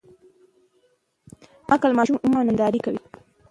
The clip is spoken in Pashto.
کم عقل ماشومان عموماً ننداره کوي.